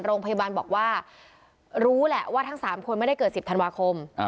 โรงพยาบาลบอกว่ารู้แหละว่าทั้ง๓คนไม่ได้เกิด๑๐ธันวาคม